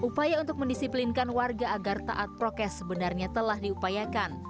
upaya untuk mendisiplinkan warga agar taat prokes sebenarnya telah diupayakan